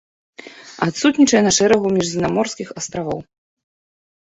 Адсутнічае на шэрагу міжземнаморскіх астравоў.